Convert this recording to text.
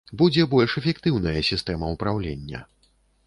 Будзе больш эфектыўная сістэма ўпраўлення.